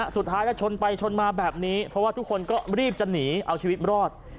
สุดท้ายมันชนมาแบบนี้คือเพราะทุกคนก็ลีบจะหนีเอาชีวิตรอด